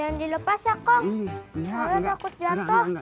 jangan dilepas ya kong